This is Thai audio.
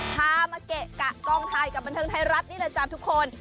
พามาเกะกะกองไทยกับบันเทิงไทยรัฐนี่แหละจ้ะทุกคน